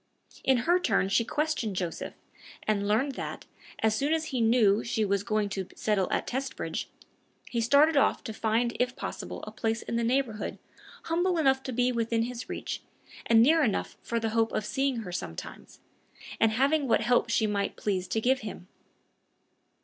In her turn she questioned Joseph, and learned that, as soon as he knew she was going to settle at Testbridge, he started off to find if possible a place in the neighborhood humble enough to be within his reach, and near enough for the hope of seeing her sometimes, and having what help she might please to give him.